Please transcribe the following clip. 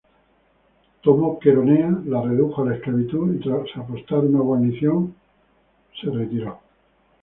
Tomó Queronea, la redujo a la esclavitud y, tras apostar una guarnición, regresó.